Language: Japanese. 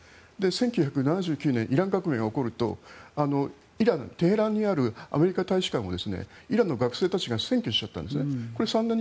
１９７９年イラン革命が起こるとイランのテヘランにあるアメリカ大使館をイランの学生たちが占拠しちゃったんです。